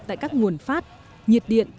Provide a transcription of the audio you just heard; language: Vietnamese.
tại các nguồn phát nhiệt điện